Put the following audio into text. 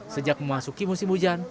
sejak memasuki musim hujan